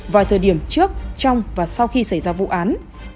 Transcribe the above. vào thời điểm trước trong và sau khi xảy ra vụ án